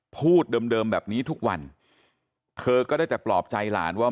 พูดเดิมแบบนี้ทุกวันเธอก็ได้แต่ปลอบใจหลานว่า